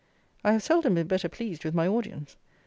I have seldom been better pleased with my audience.